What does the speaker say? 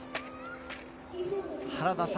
原田さん